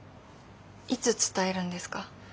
いつ伝えるんですか？